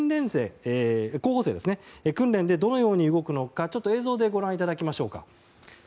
候補生は訓練でどのように動くのか映像でご覧いただきましょう。